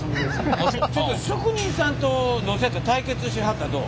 ちょっと職人さんとどうせやったら対決しはったらどう？